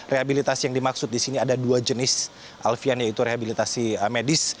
rehabilitasi yang dimaksud di sini ada dua jenis alfian yaitu rehabilitasi medis